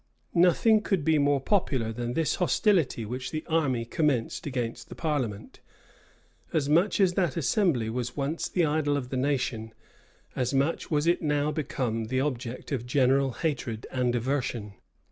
Nothing could be more popular than this hostility which the army commenced against the parliament. As much as that assembly was once the idol of the nation, as much was it now become the object of general hatred and aversion.